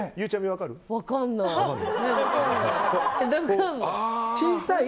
分からない。